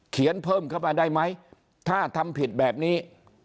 เขียนเพิ่มเข้ามาได้ไหมถ้าทำผิดแบบนี้